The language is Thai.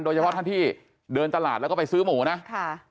โดยเฉพาะท่านที่เดินตลาดแล้วก็ไปซื้อหมูนะ